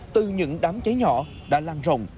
từ những đám cháy nhỏ đã lan rộng